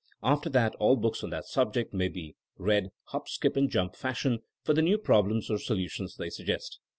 After that all books on that subject may be read hop, skip and jump^* fashion, for the new problems or solutions they suggest.